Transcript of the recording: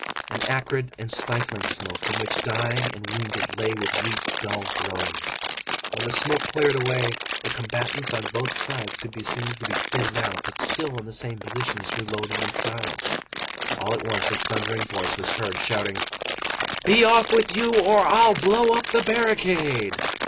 An acrid and stifling smoke in which dying and wounded lay with weak, dull groans. When the smoke cleared away, the combatants on both sides could be seen to be thinned out, but still in the same positions, reloading in silence. All at once, a thundering voice was heard, shouting:— "Be off with you, or I'll blow up the barricade!"